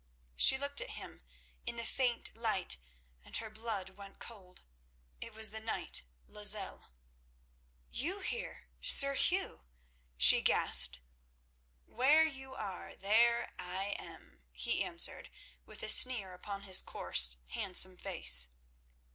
She looked at him in the faint light and her blood went cold. It was the knight Lozelle. "You here, Sir Hugh?" she gasped. "Where you are, there I am," he answered, with a sneer upon his coarse, handsome face.